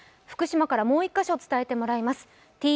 福島からもう１カ所伝えてもらいます。